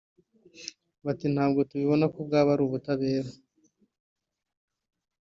Buti “ Ntabwo tubibona ko bwaba ari ubutabera